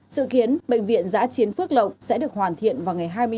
sự khiến bệnh viện giã chiến phước lộng sẽ được hoàn thiện vào ngày hai mươi chín tháng tám